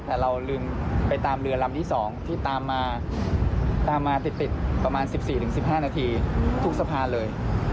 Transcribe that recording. แต่เราลืมไปตามเรือลำที่๒ที่ตามมาตามมาติดประมาณ๑๔๑๕นาทีทุกสะพานเลย